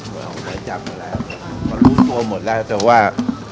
เรารู้ตัวหมดแล้วแต่ว่า